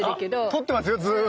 撮ってますよずぅ